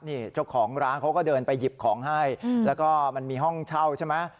นี่เจ้าของร้านเขาก็เดินไปหยิบของให้แล้วก็มันมีห้องเช่าใช่ไหม